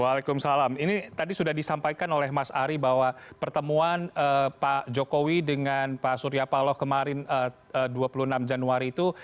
waalaikumsalam ini tadi sudah disampaikan oleh mas ari bahwa pertemuan pak jokowi dengan pak surya paloh kemarin dua puluh enam januari itu